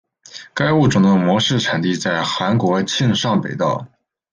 该物种的模式产地在韩国庆尚北道。